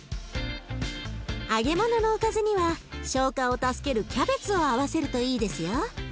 揚げ物のおかずには消化を助けるキャベツを合わせるといいですよ。